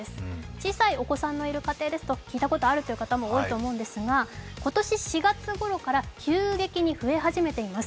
小さいお子さんのいる家庭ですと聞いたことがあるという方も多いと思いますが今年４月ごろから急激に増え始めています。